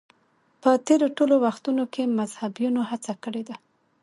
په تېرو ټولو وختونو کې مذهبيونو هڅه کړې ده.